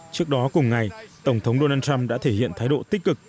trước đó cùng ngày tổng thống donald trump đã thể hiện thái độ tích cực